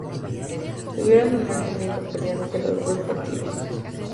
Tuvieron un mal comienzo, perdiendo los dos partidos.